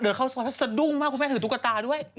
เดินเข้าซ้อนซะดุ้งมากคุณแม่ถึงตุ๊กตาด้วย